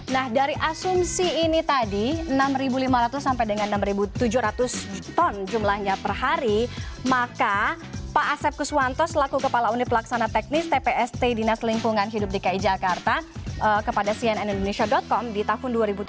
nah dari asumsi ini tadi enam lima ratus sampai dengan enam tujuh ratus ton jumlahnya per hari maka pak asep kuswanto selaku kepala unit pelaksana teknis tpst dinas lingkungan hidup dki jakarta kepada cnn indonesia com di tahun dua ribu tujuh belas